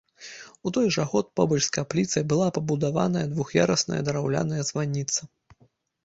У той жа год, побач з капліцай была пабудаваная двух'ярусная драўляная званіца.